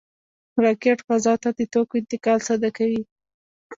راکټ فضا ته د توکو انتقال ساده کوي